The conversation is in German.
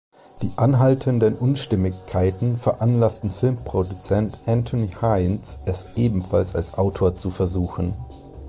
Die anhaltenden Unstimmigkeiten veranlassten Filmproduzent Anthony Hinds es ebenfalls als Autor zu versuchen.